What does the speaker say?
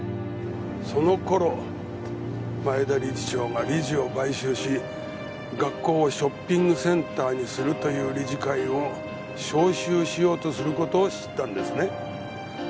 その頃前田理事長が理事を買収し学校をショッピングセンターにするという理事会を招集しようとする事を知ったんですね？